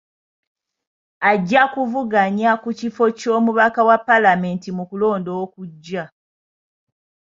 Ajja kuvuganya ku kifo ky'omubaka wa paalamenti mu kulonda okujja.